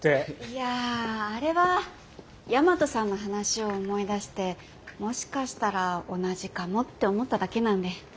いやあれは大和さんの話を思い出してもしかしたら同じかもって思っただけなんで。